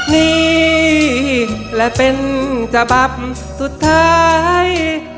นี่และเป็นฉบับสุดท้าย